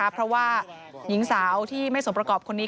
เพราะว่าหญิงสาวที่ไม่สมประกอบคนนี้